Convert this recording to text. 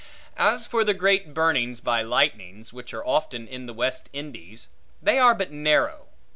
As for the great burnings by lightnings, which are often in the West Indies, they are but narrow.